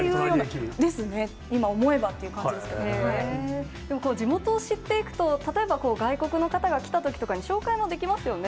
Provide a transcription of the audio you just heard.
ですね、今思えばって感じで地元を知っていくと、例えば外国の方が来たときとかに、紹介もできますよね。